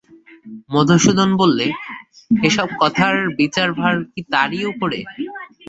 মধুসূদন বললে, এ-সব কথার বিচারভার কি তারই উপরে?